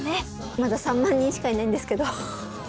まだ３万人しかいないんですけど。